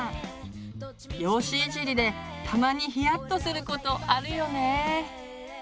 容姿いじりでたまにひやっとすることあるよね。